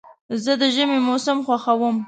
زه د ژمي موسم خوښوم.